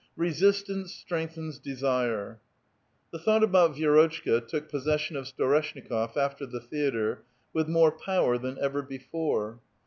Resistance strengthens desire. The thought about Vi^rotchka took possession of Storesh nikof after the theatre with more power than ever before.